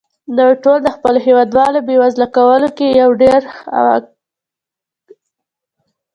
دوی ټول د خپلو هېوادوالو بېوزله کولو کې یو ډول عواقب زېږوي.